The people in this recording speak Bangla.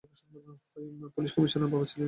পুলিশ কমিশনারের বাবা ছিলেন এই চিঠির প্রাপক।